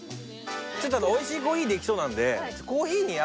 ちょっと美味しいコーヒーできそうなので。